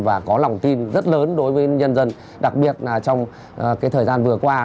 và có lòng tin rất lớn đối với nhân dân đặc biệt là trong thời gian vừa qua